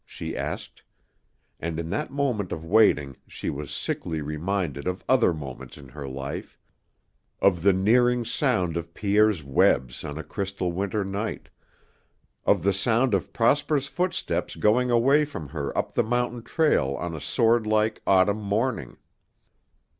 she asked; and in that moment of waiting she was sickly reminded of other moments in her life of the nearing sound of Pierre's webs on a crystal winter night, of the sound of Prosper's footsteps going away from her up the mountain trail on a swordlike, autumn morning.